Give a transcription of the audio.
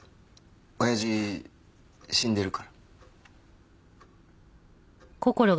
親父死んでるから。